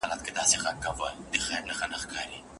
پنډي په اوږه باندي ګڼ توکي نه راوړي.